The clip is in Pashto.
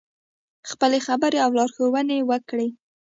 خپلې خبرې او لارښوونې وکړې.